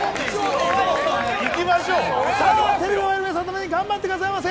テレビの前の皆さんも頑張ってくださいませ。